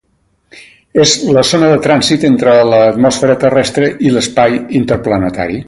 És la zona de trànsit entre l'atmosfera terrestre i l'espai interplanetari.